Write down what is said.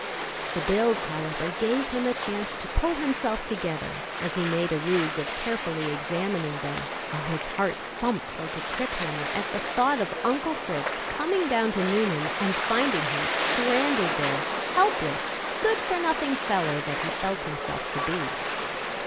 The bills, however, gave him a chance to pull himself together, as he made a ruse of carefully examining them, while his heart thumped like a trip hammer at the thought of Uncle Fritz coming down to Nuneham and finding him stranded there, helpless, good for nothing fellow that he felt himself to be.